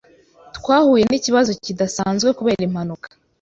Twahuye nikibazo kidasanzwe kubera impanuka.